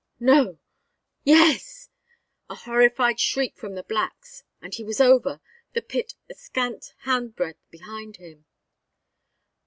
No yes! A horrified shriek from the blacks, and he was over, the pit a scant handbreadth behind him.